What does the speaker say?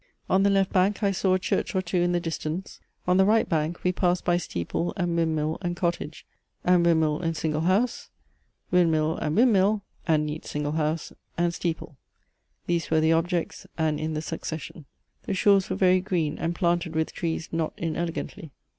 On the left bank I saw a church or two in the distance; on the right bank we passed by steeple and windmill and cottage, and windmill and single house, windmill and windmill, and neat single house, and steeple. These were the objects and in the succession. The shores were very green and planted with trees not inelegantly.